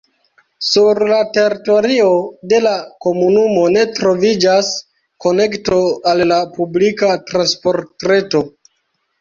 Sur la teritorio de la komunumo ne troviĝas konekto al la publika transportreto.